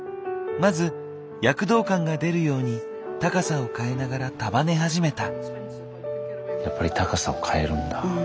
まず躍動感が出るように高さを変えながら束ね始めた。